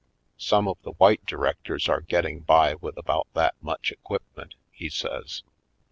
"Some of the white directors are getting by with about that much equipment," he says.